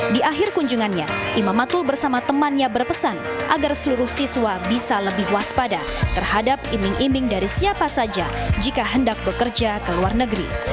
di akhir kunjungannya imam matul bersama temannya berpesan agar seluruh siswa bisa lebih waspada terhadap iming iming dari siapa saja jika hendak bekerja ke luar negeri